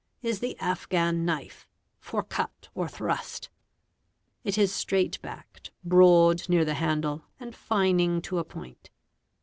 the Afghan knife, for cut or thrust; it is straight backed, broad ne wt handle, and fining to a point.